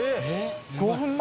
５分前？